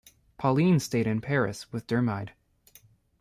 Pauline stayed in Paris with Dermide.